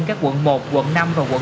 các quận một quận năm và quận bảy